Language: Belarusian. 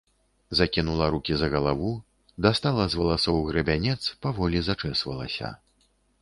Закінула рукі за галаву, дастала з валасоў грабянец, паволі зачэсвалася.